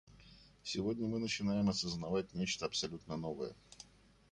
Сегодня мы начинаем осознавать нечто абсолютно новое.